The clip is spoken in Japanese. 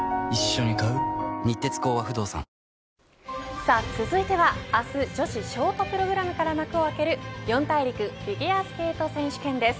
さあ続いては明日女子ショートプログラムから幕を開ける四大陸フィギュアスケート選手権です。